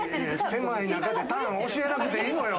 狭い中でターン教えなくていいのよ。